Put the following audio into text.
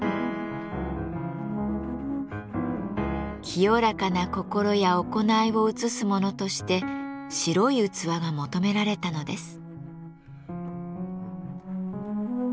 清らかな心や行いを映すものとして白い器が求められたのです。